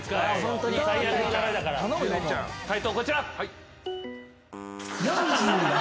解答こちら。